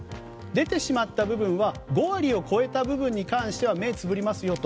出てしまった部分５割を超えた分については目をつむりますよと。